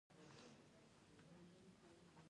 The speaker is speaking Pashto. د افغانستان د موقعیت د افغانستان د ښاري پراختیا سبب کېږي.